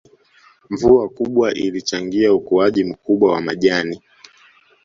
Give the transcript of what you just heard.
Mvua kubwa ilichangia ukuaji mkubwa wa majani